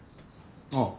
ああ。